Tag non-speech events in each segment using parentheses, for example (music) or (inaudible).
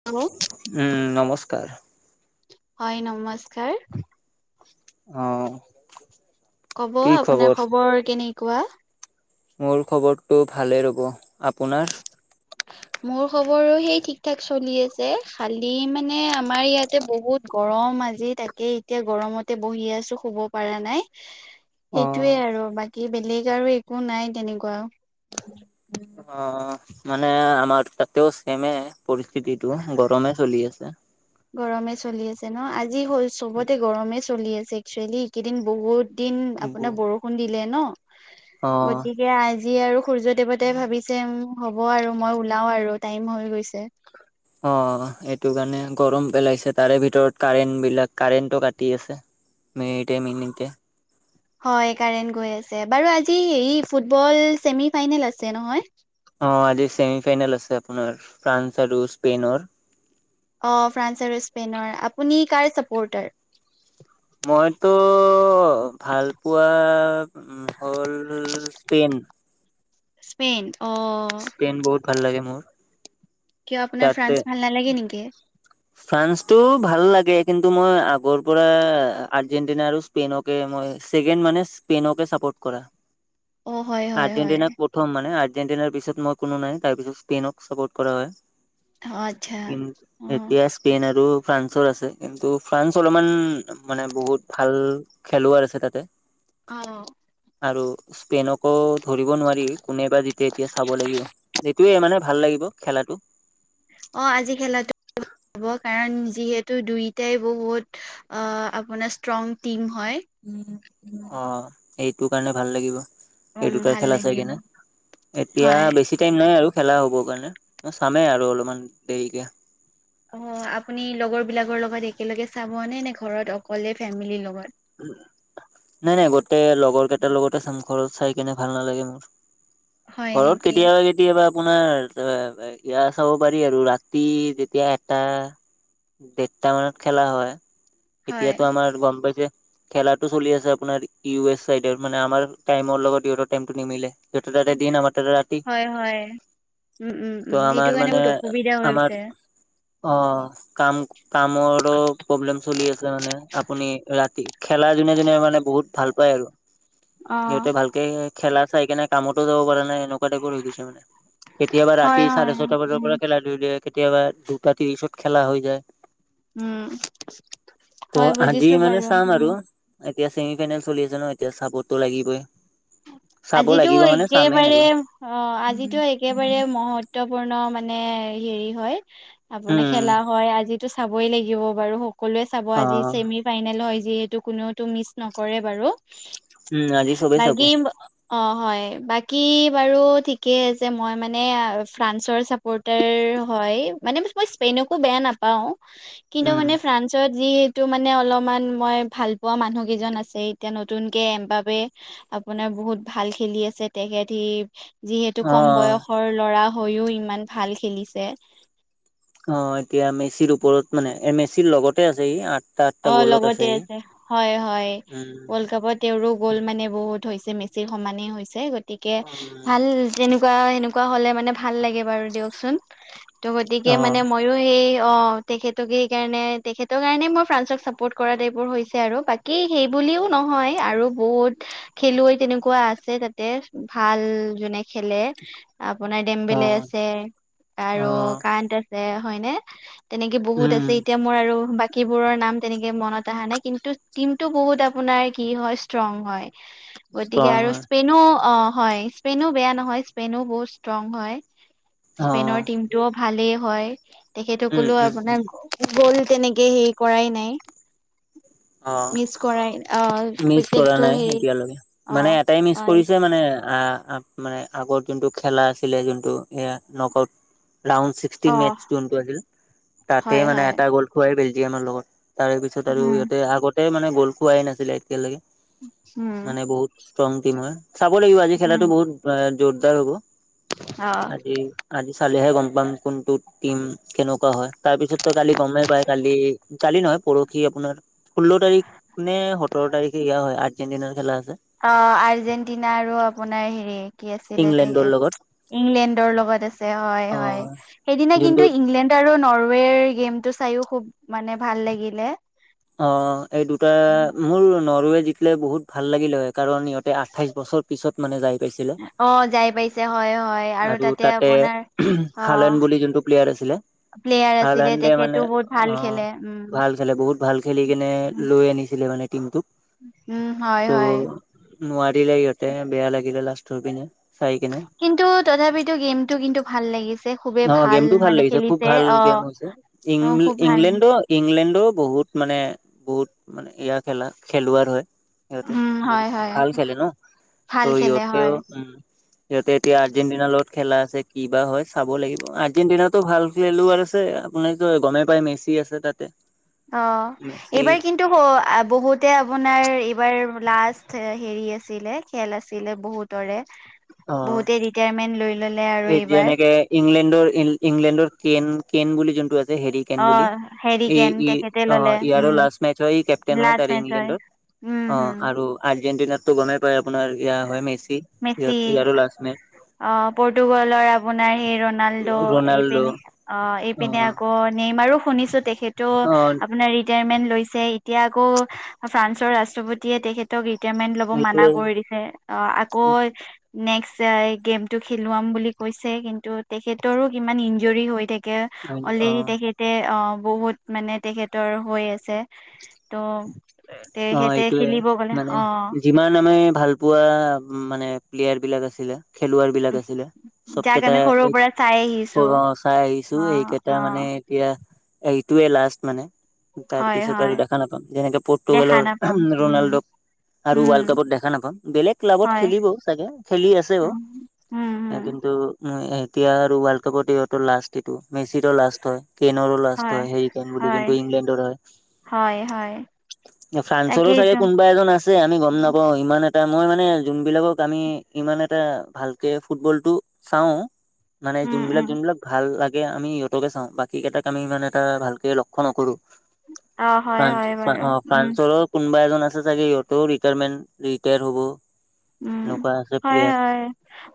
(unintelligible) উম নমস্কাৰ। হয় নমস্কাৰ। অঁ কব আপোনাৰ খবৰ কেনেকুৱা। মোৰ খবৰটো ভালেই ৰ'ব আপোনাৰ। মোৰ খবৰো সেই ঠিক ঠাক চলি আছে খালি মানে আমাৰ ইয়াতে বহুত, গৰম আজি তাকে এতিয়া গৰমতে বহি আছো শুব পাৰা নাই। (inaudible) সেইটোয়ে অ', আৰু বাকী বেলেগ আৰু একো নাই তেনেকুৱা। অ অ মানে আমাৰ তাতেও চেমে আহে। পৰিস্থিতিটো গৰমে চলি আছে। গৰমে চলি আছে ন আজি হ'ল চবতে গৰমে চলি আছে একচুৱেলি এইকেইদিন বহুত। দিন আপোনাৰ অ', বৰষুণ দিলে ন গতিকে। দিয়া আজি আৰু সূৰ্য দেৱতাই ভাবিছে উম হ'ব আৰু মই ওলাও আৰু টাইম হৈ গৈছে। অ এইটো কাৰণে গৰম পেলাইছে তাৰে ভিতৰত কাৰেণ্ট বিলাক কাৰেণ্টটো কাটি আছে। মিনিতে মিনিতে। হয় কাৰেণ্ট গৈ আছে বাৰু আজি হেৰি ফুটবল ছেমি ফাইনেল আছে নহয় অ আজি ছেমি ফাইনেল আছে আপোনাৰ ফ্ৰান্স আৰু স্পেইনৰ অ ফ্ৰান্স আৰু স্পেইনৰ আপুনি কাৰ ছাপোৰ্টাৰ মইতো ভাল পোৱা হ'ল স্পেইন স্পেইন অ স্পেইন বহুত ভাল লাগে মোৰ কিয় আপোনাৰ তাতে ফ্ৰান্স ভাল নালাগে নেকি ফ্ৰান্সটো ভাল লাগে কিন্তু মই আগৰ পৰা আৰ্জেণ্টিনা আৰু স্পেইনকে মই ছেকেণ্ড মানে স্পেইনকে চাপৰ্ট কৰা অ হয় হয় হয় আৰ্জেণ্টিনাক প্ৰথম মানে আৰ্জেণ্টিনাৰ পিছত মই কোনো নাই তাৰ পিছত স্পেইনক চাপৰ্ট কৰা হয় হয় কি এতিয়া স্পেইন আৰু ফ্ৰান্সৰ আছে কিন্তু ফ্ৰান্স অলপমান মানে বহুত ভাল খেলুৱৈ আছে তাতে অ আৰু স্পেইনকো ধৰিব নোৱাৰি কোনে বা জিতে এতিয়া চাব লাগিব এইটোয়ে মানে ভাল লাগিব খেলাটো অ আজি খেলা হব কাৰণ যিহেতু দুইটাই বহুত আপোনাৰ ষ্ট্ৰং টিম হয় অ এইটো কাৰণে ভাল লাগিব এই উম দুটা ভাল খেল আছে লাগিব কিনে এতিয়া হয় বেছি টাইম নাই আৰু খেলা হ'বৰ কাৰণে মই চামেই আৰু অলপমান দেৰিকে অ আপুনি লগৰ বিলাকৰ লগত একেলগে চাব নে নে ঘৰত অকলে ফেমিলিৰ লগত উম নাই নাই গোটেই লগৰ কেইটাৰ লগতে চাম ঘৰত চাই কেনে ভাল নালাগে মোৰ হয় ঘৰত নেকি কেতিয়াবা কেতি কেতিয়াবা আপোনাৰ এইয়া চাব পাৰি আৰু ৰাতি যেতিয়া এটা দেৰটা মানত খেলা হয় হয় এতিয়াতো আমাৰ গম পাইছে খেলাটো চলি আছে আপোনাৰ ইউ এছ চাইডৰ মানে আমাৰ টাইমৰ লগত ইহঁতৰ টাইমটো নিমিলে সিহঁতৰ তাতে দিন আমাৰ তাত ৰাতি হয় হয় উম উম ত' উম আমাৰ সেইটো কাৰণে মানে বহুত অসুবিধা আমাৰ হৈছে অ কাম কামৰো প্ৰব্লেম চলি আছে মানে আপুনি ৰাতি খেলা যোনে যোনে মানে বহুত ভাল পায় আৰু অ', সিহঁতে ভাল কে খেলা চাই কেনে কামতো যাব পৰাা নাই এনেকুৱা টাইপৰ হৈ গৈছে মানে কেতিয়াবা হয়, ৰাতি হয়, চাৰে ছয়টা বজাৰ উম, পৰা খেলা ধূল দিয়ে কেতিয়াবা দুটা ত্ৰিশত খেলা হৈ যায় উম ত' হয় আজি বুজিছো মানে বাৰু চাম আৰু উম। এতিয়া ছেমি ফাইনেল চলি আছে ন এতিয়া চাপৰ্টটো লাগিবই চাব আজিতো লাগিব মানে চামেই একেবাৰে আৰু অ আজিতো একেবাৰে মহ ত্বপূৰ্ণ মানে হেৰি হয় আপোনাৰ উম খেলা হয় আজি টো চাবই লাগিব বাৰু সকলোৱে চাব অ আজি চেমি ফাইনেল হয় যিহেতু কোনোটো মিচ নকৰে বাৰু উম আজি চবেই চাব বাকী অ হয় বাকী বাৰু ঠিকেই আছে মই মানে ফ্ৰান্সৰ চ ৰিপোৰ্টাৰ হয় মানে মই স্পেইনকো বেয়া নাপাও উ কিন্তু মানে ফ্ৰান্সত যি টো মানে অলপমান মই ভাল পোৱা মানুহ কেইজন আছে এতিয়া নতুনকে এমবাবে আপোনাৰ বহুত ভাল খেলি আছে তেখেত সি যিহেতু অ কম বয়সৰ ল'ৰা হৈও ইমান ভাল খেলিছে অ এতিয়া মেচিৰ ওপৰত মানে এ মেচিৰ লগতে আছে ই আঠ অ লগতে আছে হয় হয় উম, ৱৰ্ল্ড কাপত তেওঁৰো গ'ল মানে বহুত হৈছে মেচিৰ সমানেই হৈছে গতিকে অ, ভাল তেনেকুৱা সেনেকুৱা হলে মানে ভাল লাগে বাৰু দিয়কচোন ত' গতিকে অ, মানে মই আৰু সেই অ তেখেতে সেই কাৰণে তেখেতৰ কাৰণে মই ফ্ৰান্স ক চাপৰ্ট কৰা টাইপৰ হৈছে আৰু বাকী সেইবোলিও নহয় আৰু বহুত খেলুৱৈ তেনেকুৱা আছে তাতে ভাল জোনে খেলে আপোনাৰ ডেম বেলে আছে অ, আৰু কাইন আছে হয়নে তেনেকে বহুত উম, আছে এতিয়া মোৰ আৰু বাকীবোৰৰ নাম তেনেকে মনত অহা নাই কিন্তু টিমটো বহুত আপোনাৰ কি হয় ষ্ট্ৰং হয় গতিকে ষ্ট্ৰং আৰু হয়, স্পেইনো অ হয় স্পেইনো বেয়া নহয় স্পেনো বহুত ষ্ট্ৰং হয় অ, স্পেনৰ টিম টো ভালেই হয় তেখেত উম, সকলো উম, আপোনাৰ উম, গ'ল তেনেকে হেৰি কৰাই নাই অ, মিচ কৰাই নাই মিচ কৰা নাই এতিয়ালৈকে অ মানে এটাই মিচ হয় কৰিছে মানে আ-আ মানে আগৰ যোনটো খেলা আছিলে যোনটো এয়া নকআউট প্লাওন চি ছিক্সট অ মেটচ যোনটো আছিল তাতে হয় মানে হয় এটা গ'ল খোৱাই বেলজিয়ামৰ লগত তাৰে পিছত আৰু উম ইহঁতে আগতে মানে গ'ল খুৱাই নাছিলে এতিয়ালৈকে উম মানে বহুত ষ্ট্ৰং টিম হয় চাব লাগিব আজি উম খেলাটো বহুত জোৰদাৰ হ'ব। অ আজি আজি চালিহে গম পাম কোনটোত টিম কেনেকুৱা হয় তাৰ পিছত ত' কালি গমেই পাই কালি কালি নহয় পৰহি আপোনাৰ ষোল্ল তাৰিখ নে সোতৰ তাৰিখে সেয়াও হয় আৰ্জেণ্টিনাৰ খেলা আছে। অ', আৰ্জেণ্টিনা আৰু আপোনাৰ হেৰি কি আছিলে দেই ইংলেণ্ডৰ লগত ইংলেণ্ডৰ লগত আছে হয় অ হয় সেইদিনা কিন্তু যোনটোত ইংলেণ্ড আৰু নৰৱেৰ গেম টো চাইয়ো খুব মানে ভাল লাগিলে অ এই দুটা মোৰ নৰৱে জিকিলে বহুত ভাল লাগিলে হয় কাৰণ সিহঁতে আঠাইছ বছৰ পিছত মানে যাই পাইছিলে অ যাই পাইছে হয় হয় আৰু তাতে অ হালেন বুলি যোনটো প্লেয়াৰ আছিলে প্লেয়াৰ আছিলে হাইলণ্ডে তেখেতো মানে বহুত ভাল খেলে অ', উম। ভাল বহুত ভাল খেলি কেনে লৈ আনিছিলে মানে টিমটোক উম হয় ত' হয়। নোৱাৰিলে ইহঁতে বেয়া লাগিলে লাষ্টৰ পিনে চাই কিনে কিন্তু তথাপিতো গেমটো কিন্তু ভাল লাগিছ অ', গেমটো ভাল লাগিছে খুব ভাল গেম হৈছে ইং অ খুব ভাল ইংলেণ্ডতো ইংলেণ্ডো বহুত মানে বহুত মানে ইয়াৰ খেলা খেলুৱাৰ হয় সিহঁতে উম হয় বহুত হয় ভাল খেলে ন' ত' ভাল খেলে হয় ইহঁতেও উম সিহঁতে এতিয়া আৰ্জেন্টিনাৰ লগত খেলা আছে কি বা হয় চাব লাগিব আৰ্জেণ্টিনাটো ভাল খেলুৱৈ আছে আপুনিটো গমেই পাই মেচি আছে তাতে। অ', মেচি এইবাৰ কিন্ তো ক বহুতে আপোনাৰ এইবাৰ লাষ্ট হেৰি আছিলে খেল আছিলে বহুত তৰে অ বহুতে ৰিত্ৰাইমেন লৈ ললে আৰু এই এইবাৰ। যেনেকে ইংলেণ্ডৰ ইংলেণ্ডৰ কেন কেন বুলি যোনটো আছে হেৰি কেন অ বুলি ই হেৰিকেন ই তেখেতে অ ললে ইয়াৰো উম লাষ্ট নাইটত হয় কেপটেইন হয় লাষ্ট তাৰে মেচ হয়। ইংলেণ্ডৰ উম অ হম আৰু আৰ্জেণ্টিনাৰটো গমেই পায় আপোনাৰ ইয়া হয় মেচি ইহত মেচি ইয়াৰো লাষ্ট মে অ পৰ্টুগালৰ আপোনাৰ হ ৰনাল্ডো ৰনাল্ডো এইপিনে অ এইপিনে আকৌ নেইমাৰো শুনিছো তেখ টো অ আপোনাৰ ৰিটায়াৰমেন্ট লৈছে এতিয়া আকৌ ফ্ৰান্সৰ ৰাষ্ট্ৰপতিয়ে তেখ ৰিটায়াৰমেন্ট লব মানা এইটোৱে কৰি দিছে অ আকৌ নেক্সট গেম টো খেলুৱাম বুলি কৈছে কিন্তু তেখেতৰো কিমান ইঞ্জ্যুৰি হৈ থাকে। থাকে অ অলৰেডি তেখেত তে অ বহুত মানে তেখেতৰ হৈ আছে ত, তে সিহতে খেলিব গলে অ। ইমান আমি ভাল পোৱা মানে প্লেয়াৰ বিলাক আছিলে। খেলুৱৈৰ বিলাক আছিলে চব যাক কেইটা আমি সৰুৰ এই পৰা চাই আহিছো চাই আহিছো অ', এইকেইটা মানে অ', এতিয়া এইটো লাষ্ট মানে তাৰ হয়, পিছত হয়। আৰু দেখা নাপাম যেনেকে প দেখা পৰ্তুগালক নাপাম উম ৰোনাল্ডো আৰু উম ৱৰ্ল্ড কাপত দেখা নাপাম বেলেগ ক্লাবত হয় খেলিব চাগে খেলি আছেও উম উম উম কিন্ত টো উএতিয়া আৰু ৱৰ্ল্ড কাপত ইহতৰ লাষ্ট এইটো মেচিৰো লাষ্ট হয়। কেনৰো লাষ্ট হয় হেৰি কেন বুলি হয় যোনটো ইংলেণ্ডৰ হয়। হয় হয়। ফ্ৰান্সৰো তাকেইতো চাগে কোনোবা এজন আছে আছে আমি গম নাপাও ইমান এটা মই মানে যোনবিলাক আমি ইমান এটা ভালকে ফুটবল টো, চাও মানে উম যোনবিলাক উম যোনবিলাক ভাল লাগে আমি সিহতকে চাওঁ বাকী কেইটাক আমি মানে এটা ভালকে লক্ষ্য নকৰো। অ হয় হয় বাৰু উম, ৰ কোবা এজন আছে চাগে সিহতৰো ৰিটাইমেট ৰিটায়াৰ হ'ব। উম এনেকুৱা আছে হয় প্লেয়াৰ হয়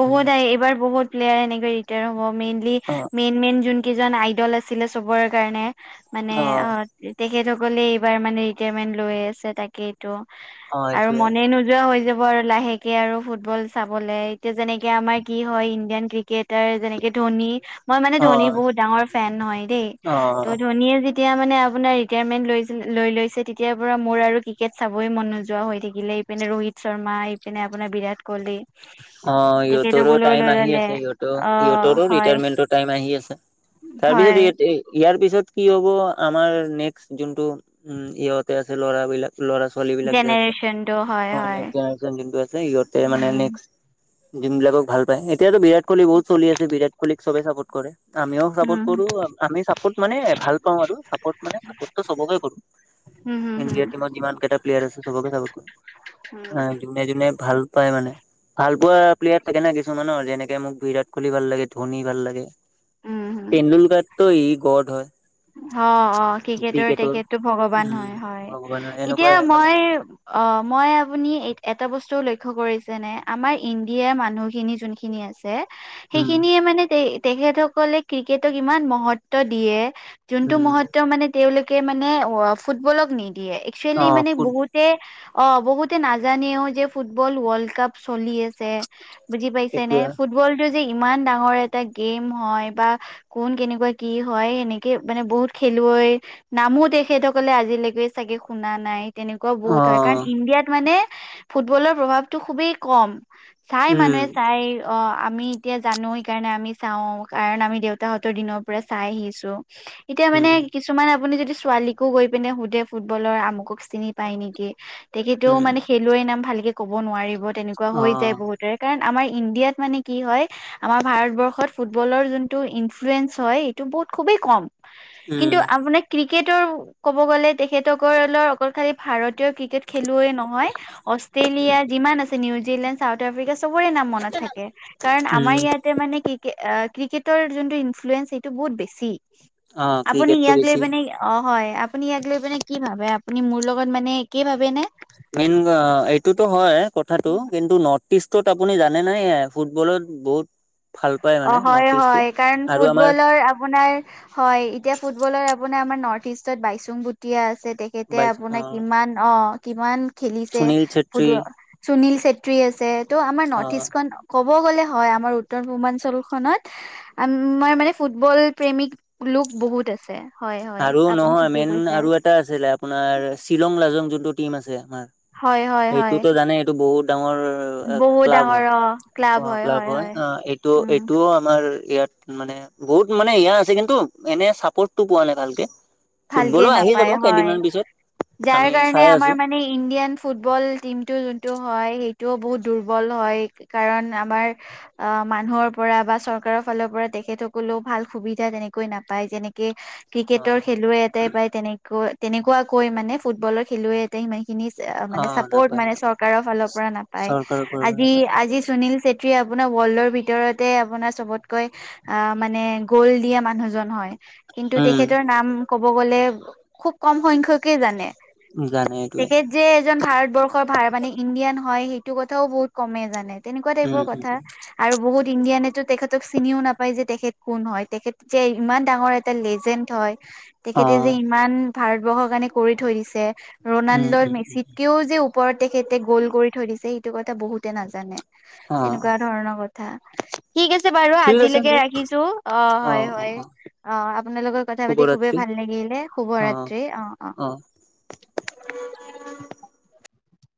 বহুত আহে এইবাৰ বহুত খেলুৱৈ আহিছে। হ মেইনলি অ মেইন মেইন যোন কেইজন আইডল আছিলে চবৰ কাৰণে, মানে অ তেখেতসকলে এইবাৰ মানে ৰিটায়াৰমেন্ট লৈ আছে তাকেই, টো অ আৰু এইটোৱে মনে নোযোৱা হৈ যাব আৰু লাহেকে আৰু ফুটবল চাবলে এতিয়া যেনেকে আমাৰ কি হয় ইণ্ডিয়ান ক্ৰিকেটাৰ যেনেকে ধোনী, মই মানে অ ধোনী বহুত ডাঙৰ ফেন হয় দেই অ ত' ধনীয়ে যে তেতিয়া মানে আপোনাৰ ৰিটায়াৰমেণ্ট লৈ লৈ লৈছে তেতিয়াৰ পৰা মোৰ আৰু ক্ৰিকেট চাবই মন নোযোৱা হৈ থাকিলে। ইপিনে ৰোহিত শৰ্মা ইপিনে আপোনাৰ বিৰাট কোলী। অ সিহঁতৰো টাইম আহি ললে আছে সিহঁতৰ অ ইহঁতৰো হয় ৰিটায়াৰমেন্টত টাইম আহি আছে তাৰ হয় পিছত ই ইয়াৰ পিছত কি হব আমাৰ নেক্সট যোনটো উম ইহতে আছে ল'ৰা বিলাক। ল'ৰা ছোৱালী বিলাক যে আছে জেনেৰেচনটো হয় অ হয় য আছে সিহঁতে মানে উম যোনবিলক ভাল পায় এতিয়াত বিৰাট কলী বহুত চলি আছে বিৰাট কলীক চবে চাপৰ্ট কৰে। আমিও চাপট হম কৰো আমি চাপৰ্ট মানে ভাল পাওঁ চাপৰ্টো চবকে কৰো। হম হম ইণ্ডিয়া হম টিমত যিমান কেইটা। প্লেয়াৰ আছে সবকে চাপট হম কৰো যোনে যোনে ভাল পায় মানে। ভাল পোৱা প্লেয়াৰ থাকে না কিছুমানৰ যেনেকে মোক বিৰাট কলী ভাল লাগে ধোনী ভাল লাগে। উম হম তেণ্ডুলকাৰতো এই গড হয়। অ অ ক্ৰিকেটৰ তেখেতটো ভগৱান উম, হয় হয় ভগৱানৰ এতিয়া এনেকুৱাই মানে মই, অ মই আপুনি এটা বস্তু লক্ষ্য কৰিছে নে আমাৰ ইণ্ডিয়াৰ মানুহখিনি যোনখিনি আছে। উম, সেইখিনিয়ে মানে তেখেতসকলে ক্ৰিকেটক ইমান মহত্ব দিয়ে। যোনটো উম। মহত্ব মানে তেওঁলোকে মানে অ ফুটবলক নিদিয়ে, একচুৱেলি অ' মানে ফুট বহুত তে অ বহুতে নাজানেও যে ফুটবল ৱৰ্ল্ড কাপ চলি আছে, বুজি পাইছে নে? এতিয়া ফুটবলটো যে ইমান ডাঙৰ এটা গেম হয় বা কোন কেনেকুৱা কি হয় সেনেকে মানে বহুত খেলুৱৈ নামো তেখেতসকলে আজিলৈকে চাগে শুনা নাই। তেনেকুৱাও বহুত হয় কাৰণ, অ' ইণ্ডিয়াত মানে ফুটবলৰ প্ৰভাৱটো খুবেই কম। চাই উম, মানুহে চাই অ, আমি এতিয়া জানো সেইকাৰণে আমি চাওঁ। কাৰণ আমি দেউতাহঁতৰ দিনৰ পৰা চাই আহিছোঁ। এতিয়া মানে উম, কিছুমান আপুনি যদি ছোৱালীকো গৈ পিনে সুধে ফুটবলৰ আমুকক চিনি পায় নেকি বুলি? তেতিয়া কিন্তু উম। মানে খেলুৱৈৰ নাম ভালেকে ক'ব নোৱাৰিব তেনেকুৱা হৈ যায় অ' বহুত। কাৰণ আমাৰ ইণ্ডিয়াত মানে কি হয় আমাৰ ভাৰতবৰ্ষত ফু ফুটবলৰ যোনটো ইনফ্লুৱেঞ্চ হয়, এইটো বহুত খুবেই কম। কিন্তু উম, আপোনি ক্ৰিকেটৰ ক'ব গ'লে, তেখেতসকলৰ চৰকাৰী ভাৰতীয় ক্ৰিকেট খেলুৱে নহয়, অষ্ট্ৰেলিয়া যিমান আছে নিউজিলণ্ড চাউথ আফ্ৰিকা চবৰে নাম মনত থাকে কাৰণ, উম, আমাৰ ইয়াতে মানে কি কি অ ক্ৰিকেটৰ যোনটো ইনফ্লুৱেঞ্চ সেইটো বহুত বেছি, অ' আপুনি ক্ৰিকেটটো ইয়াক লৈ বেছি মানে অ হয় আপুনি ইয়াক লৈ পিনে কি ভাবে, আপুনি মোৰ লগত মানে একেই ভাবে নে? মেইন এইটোতো হয় কথাটো কিন্তু, নৰ্থ ইষ্টত আপুনি জানে নাই? ফুটবলত বহুত ভাল পায় অ মানে হয় নৰ্থ ইষ্টটো হয় কাৰণ আৰু আমাৰ ফুটবলৰ আপোনাৰ হয় এতিয়া ফুটবলত আপোনাৰ আমাৰ নৰ্থ ইষ্টত বাইচুং বুটিয় আছে তেখেতে বাইছ আপোনাৰ অ' কিমান অ কিমান খেলিছে, সুনীল চেত্ৰী ফুটবল সুনীল চেত্ৰী আছে ত' আমাৰ অ', নৰ্থ ইষ্টখন ক'ব গ'লে হয় আমাৰ উত্তৰ পূৰ্বাঞ্চল খনত আমাৰ মানে ফুটবল প্ৰেমিক লোক বহুত আছে। হয় হয়। আৰু আপুনি নহয় ঠিকেই মেইন কৈছে। আৰু আছিলে আপোনাৰ শ্বিলং লাজং যোনটো টিম আছে, আমাৰ হয় হয় হয় সেইটোতো জানে টো বহুত ডাঙৰ ক্লাব হয়, অ ক্লাব হয় অ এইটো উম এইটোও আমাৰ ইয়াত মানে বহুত মানে ইয়া আছে কিন্তু এনে চাপৰ্টটো পোৱা নাই ভালকে। ভালকে ফুটবলো আহি যাব নাপায় হয়, কেইদিনমান পিছত যাৰ আমি কাৰণে চাই আমাৰ আছো মানে ইণ্ডিয়ান ফুটবল টিমটো যোনটো হয়, সেইটোও বহুত দুৰ্বল হয় কাৰণ আমাৰ অ মানুহৰ পৰা বা চৰকাৰৰ ফালৰ পৰা তেখেতসকলেও ভাল সুবিধা তেনেকৈ নাপায় যেনেকে, ক্ৰিকেটৰ অ', খেলুৱে এটাই পায়, তেনেকা তেনেকুৱাকৈ মানে ফুটবলৰ খেলুৱে এটাই সেনেকে চ মানে অ', নাপায় চাপৰ্ট নাপায় চৰকাৰৰ ফালৰ পৰা নাপায়, চৰকাৰৰ কৰিব আজি নাপায় আজি সুনিল ছে আপোনাৰ ৱৰ্ল্ডৰ ভিতৰতে আপোনাৰ চবতকৈ আহ মানে গ'ল দিয়া মানুহজন হয়, কিন্তু উম, তেখেতৰ নাম ক'ব গলে খুব কম সংখ্যকেহে জানে জানে এইটোৱে তে যে এজন ভাৰতবৰ্ষৰ ভ মানে ইণ্ডিয়ান হয় সেইটো কথাও বহুত কমেই জানে তেনেকুৱা উম, টাইপৰ উম, কথা। উম, আৰু বহুত ইণ্ডিয়ানেতো তেখেতক চিনিও নাপায় যে, তেখেত কোন হয় তেখেত যে ইমান ডাঙৰ এটা লেজেণ্ড হয় তেখেতে যে অ', ইমান ভাৰতবৰ্ষৰ কাৰণে কৰি থৈ দিছে, উম, ৰনাল্ডো উম, উম, মেছিতকেও যে ওপৰত তেখেতে গ'ল কৰি থৈ দিছে সেইটো কথা বহুতে নাজানে অ', তেনেকুৱা ধৰণৰ কথা। ত ঠিক আছে বাৰু ঠিক আছে আজিলৈকে দিয়া ৰাখিছো, অ হয় হয়। অ আপোনাৰ লগৰ কথা পাতি খুবেই শুভৰাত্ৰি। ভাল লাগিলে শুভ অ', ৰাত্ৰি অ অ